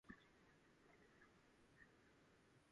ふと曇って、そこらが薄ぼんやりしてきました。